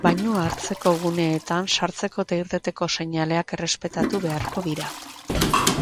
Bainua hartzeko guneetan sartzeko eta irteteko seinaleak errespetatu beharko dira.